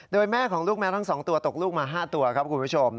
โดยแม่ของลูกแมวทั้ง๒ตัวตกลูกมา๕ตัวครับคุณผู้ชม